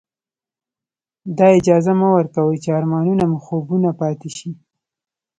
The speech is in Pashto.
دا اجازه مه ورکوئ چې ارمانونه مو خوبونه پاتې شي.